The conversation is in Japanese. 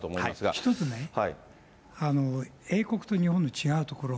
一つね、英国と日本で違うところ。